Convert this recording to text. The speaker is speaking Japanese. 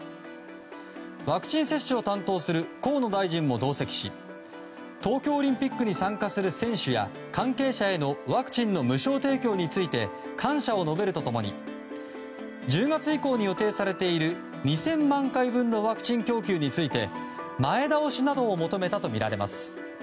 ワクチン接種を担当する河野大臣も同席し東京オリンピックに参加する選手や関係者へのワクチンの無償提供について感謝を述べると共に１０月以降に予定されている２０００万回分のワクチン供給について前倒しなどを求めたとみられます。